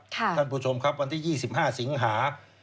ท่านผู้ชมครับวันที่๒๕สิงหา